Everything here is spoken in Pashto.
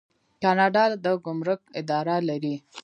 کاناډا د ګمرک اداره لري.